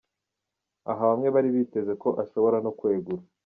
Aha bamwe bari biteze ko ashobora no kwegura.